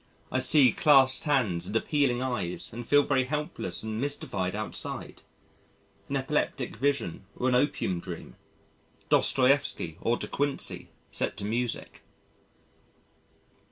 I see clasped hands and appealing eyes and feel very helpless and mystified outside. An epileptic vision or an opium dream Dostoievsky or De Quincey set to music.